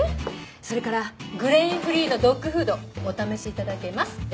それからグレインフリーのドッグフードお試し頂けますって。